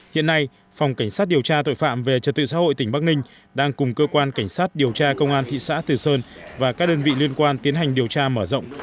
hiện nay phòng cảnh sát điều tra tội phạm về trật tự xã hội tỉnh bắc ninh đang cùng cơ quan cảnh sát điều tra công an thị xã từ sơn và các đơn vị liên quan tiến hành điều tra mở rộng